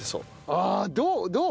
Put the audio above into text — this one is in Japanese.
ああどう？